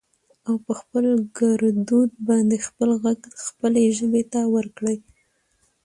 او په خپل ګردود باندې خپل غږ خپلې ژبې ته ورکړٸ